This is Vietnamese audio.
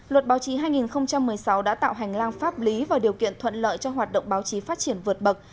luật báo chí hai nghìn một mươi sáu đã tạo hành lang pháp lý và điều kiện thuận lợi cho hoạt động báo chí phát triển vượt bậc